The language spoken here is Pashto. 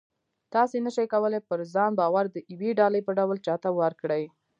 تاسې نه شئ کولی پر ځان باور د یوې ډالۍ په ډول چاته ورکړئ